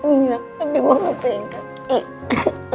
iya tapi gua gak tega kik